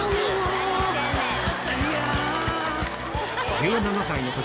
１７歳の時